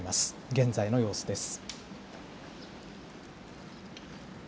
現在の様子です。